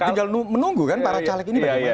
tinggal menunggu kan para caleg ini bagaimana